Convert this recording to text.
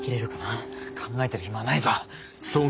考えてる暇ないぞ！